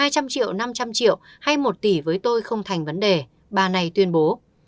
hai trăm linh triệu năm trăm linh triệu hay một tỷ với tôi không thành vấn đề bà này tuyên bố